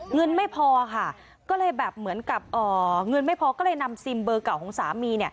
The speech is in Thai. เงินไม่พอค่ะก็เลยแบบเหมือนกับเงินไม่พอก็เลยนำซิมเบอร์เก่าของสามี